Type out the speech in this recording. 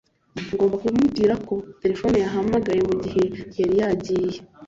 ngomba kumubwira ko terefone yahamagaye mugihe yari yagiye